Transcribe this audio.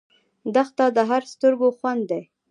دښته د هر سترګو خوند دی.